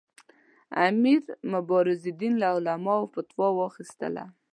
امیر مبارزالدین له علماوو فتوا واخیستله.